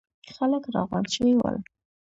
خلک راغونډ شوي ول.